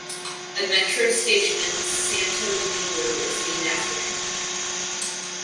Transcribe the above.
A metro station in Santo Domingo is named after him.